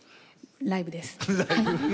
ライブです。